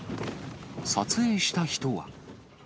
撮影した人は。